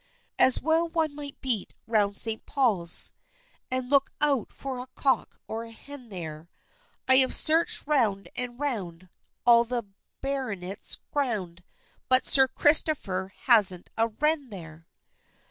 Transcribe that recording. As well one might beat round St. Paul's, And look out for a cock or a hen there; I have search'd round and round, All the Baronet's ground, But Sir Christopher hasn't a wren there!